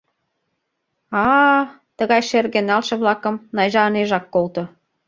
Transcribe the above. — А-а... — тыгай шерге налше-влакым Найжа ынежак колто.